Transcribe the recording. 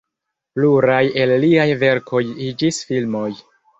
Pluraj el liaj verkoj iĝis filmoj.